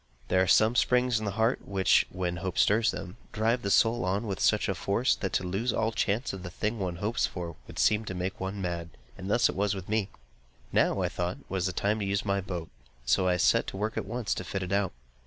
There are some springs in the heart which, when hope stirs them, drive the soul on with such a force, that to lose all chance of the thing one hopes for, would seem to make one mad; and thus was it with me. Now, I thought, was the time to use my boat; so I set to work at once to fit it out.